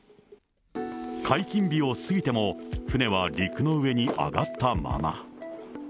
解禁日を過ぎても、船は陸の上に上がったまま。